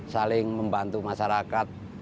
saling membantu masyarakat